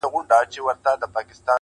• په زاریو ننواتو سوه ګویانه -